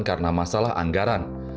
karena masalah anggaran